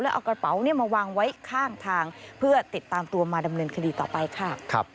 เอากระเป๋ามาวางไว้ข้างทางเพื่อติดตามตัวมาดำเนินคดีต่อไปค่ะ